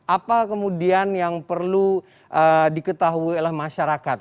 apa kemudian yang perlu diketahui oleh masyarakat